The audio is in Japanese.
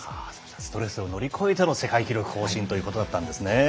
ストレスを乗り越えての世界記録更新ということだったんですね。